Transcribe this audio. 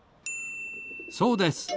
そうです。